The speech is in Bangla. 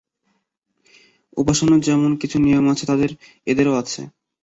উপাসনার যেমন কিছু নিয়ম আছে, এদেরও আছে।